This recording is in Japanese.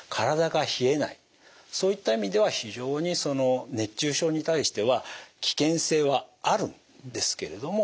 そういった意味では非常にその熱中症に対しては危険性はあるんですけれども。